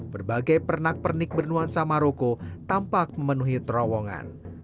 berbagai pernak pernik bernuansa maroko tampak memenuhi terowongan